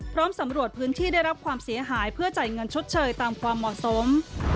สำรวจพื้นที่ได้รับความเสียหายเพื่อจ่ายเงินชดเชยตามความเหมาะสม